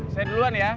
saya duluan ya